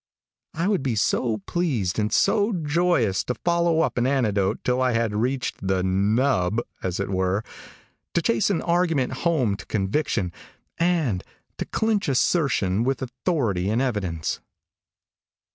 I would be so pleased and so joyous to follow up an anecdote till I had reached the "nub," as it were, to chase argument home to conviction, and to clinch assertion with authority and evidence.